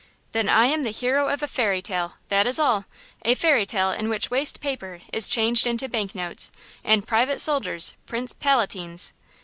"Then I am the hero of a fairy tale, that is all–a fairy tale in which waste paper is changed into bank notes and private soldiers prince palatines!